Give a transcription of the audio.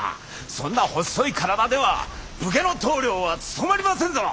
そんなほっそい体では武家の棟梁は務まりませんぞ。